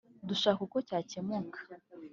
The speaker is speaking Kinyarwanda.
dushaka uko cyakemuka”